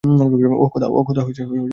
ওহ খোদা, সব সময়।